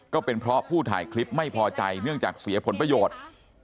ก็เป็นเพราะผู้ถ่ายคลิปไม่พอใจเนื่องจากเสียผลประโยชน์